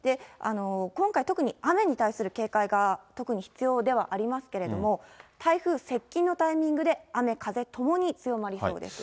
今回、特に雨に対する警戒が特に必要ではありますけれども、台風接近のタイミングで雨、風ともに強まりそうです。